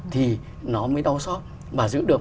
thì nó mới đau xót và giữ được